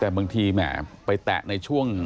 แต่บางทีแหมไปแตะในช่วง